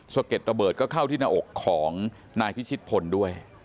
เก็ดระเบิดก็เข้าที่หน้าอกของนายพิชิตพลด้วย